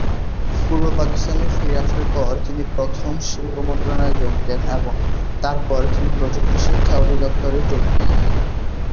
পূর্ব পাকিস্তানে ফিরে আসার পর, তিনি প্রথম শিল্প মন্ত্রণালয়ে যোগ দেন এবং তারপর তিনি প্রযুক্তিগত শিক্ষা অধিদফতরের সাথে যোগ দেন।